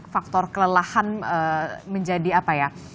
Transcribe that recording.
faktor kelelahan menjadi apa ya